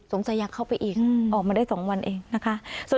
อยากเข้าไปอีกออกมาได้๒วันเองนะคะ